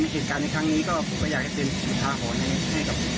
ครั้งนี้ผมอยากเตรียมผีห้าหอนให้กับ